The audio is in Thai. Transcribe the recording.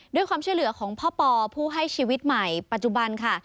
ด้วยความช่วยเหลือของพ่อปอผู้ให้ชีวิตใหม่ปัจจุบันค่ะ